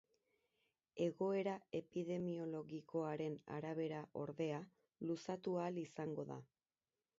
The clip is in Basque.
Egoera epidemiologikoaren arabera, ordea, luzatu ahal izango da.